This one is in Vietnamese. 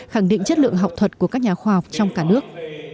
khẳng định chất lượng học thuật của các nhà khoa học trong cả nước